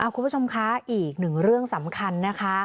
คุณผู้ชมคะอีกหนึ่งเรื่องสำคัญนะคะ